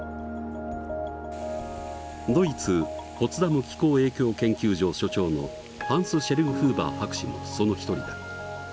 ドイツポツダム気候影響研究所所長のハンス・シェルンフーバー博士もその一人だ。